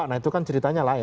nah itu kan ceritanya lain